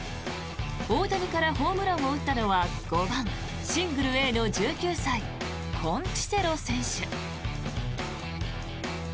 大谷からホームランを打ったのは５番、１Ａの１９歳コンティセロ選手。